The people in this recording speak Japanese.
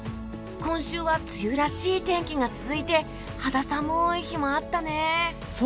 今週は梅雨らしい天気が続いて肌寒い日もあったね。